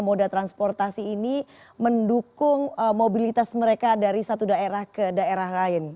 moda transportasi ini mendukung mobilitas mereka dari satu daerah ke daerah lain